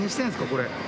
これ。